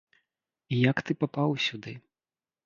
Як ты папаў сюды?